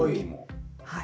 はい。